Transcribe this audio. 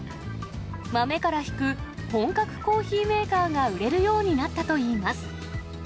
豆からひく、本格コーヒーメーカーが売れるようになったといいます。